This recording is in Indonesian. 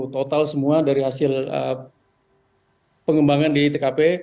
total semua dari hasil pengembangan di tkp